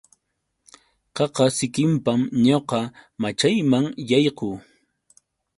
Qaqa sikinpam ñuqa machayman yaykuu.